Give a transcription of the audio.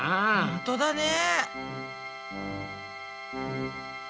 ほんとだね。